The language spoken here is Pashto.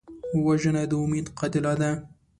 وژنه د امید قاتله ده